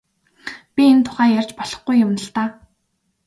Би энэ тухай ярьж болохгүй юм л даа.